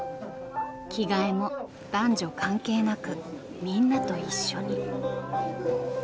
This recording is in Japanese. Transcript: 着替えも男女関係なくみんなと一緒に。